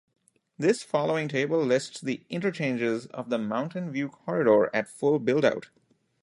This following table lists the interchanges of the Mountain View Corridor at full build-out.